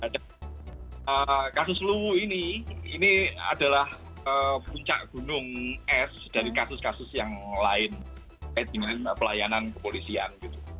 dan kasus luwu ini adalah puncak gunung es dari kasus kasus yang lain seperti pelayanan kepolisian